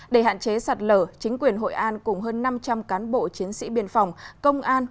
để hạn chế sạt lở chính quyền hội an cùng hơn năm trăm linh cán bộ chiến sĩ biên phòng công an